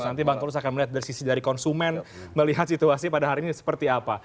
nanti bang tulus akan melihat dari sisi dari konsumen melihat situasi pada hari ini seperti apa